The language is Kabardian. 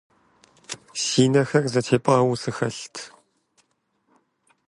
Си нэхэр зэтепӀауэ сыхэлът.